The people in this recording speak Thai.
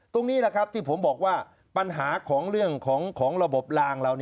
ตรงนี้แหละครับที่ผมบอกว่าปัญหาของเรื่องของระบบลางเรา